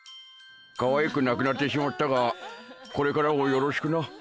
かわいくなくなってしまったがこれからもよろしくな。